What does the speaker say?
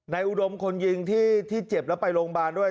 อุดมคนยิงที่เจ็บแล้วไปโรงพยาบาลด้วย